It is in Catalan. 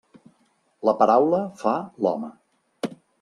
La paraula fa l'home.